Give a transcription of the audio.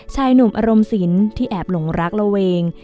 ชายหนุ่มอารมณ์สินที่แอบหลงรักระเวง